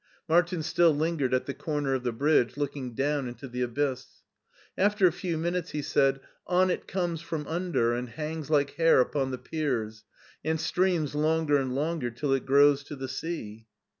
Martin still lingered at the comer of the bridge, looking down into the abyss. After a few minutes he said :" On it comes from under, and hangs like hair upon the piers, and streams longer and longer till it grows to the sea."